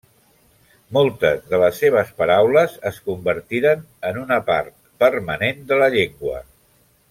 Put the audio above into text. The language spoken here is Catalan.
Moltes de les seves paraules es convertiren en una part permanent de la llengua.